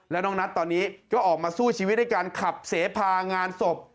แล้วน้องนัทตอนนี้ก็ออกมาสู้ชีวิตด้วยการขับเสพางานศพ